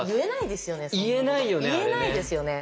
言えないですよね